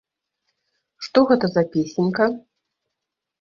Што гэта за песенька?